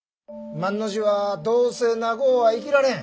万の字はどうせ長うは生きられん。